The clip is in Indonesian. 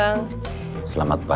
bukan gue makin rappers